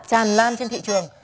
tràn lan trên thị trường